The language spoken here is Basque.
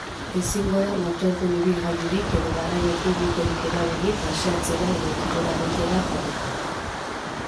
Ezingo da motordun ibilgailurik edo garraio publikorik erabili paseatzera edo kirola egitera joateko.